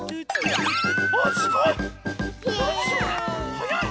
はやい！